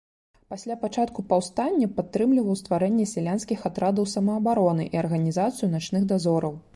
Пасля пачатку паўстання падтрымліваў стварэнне сялянскіх атрадаў самаабароны і арганізацыю начных дазораў.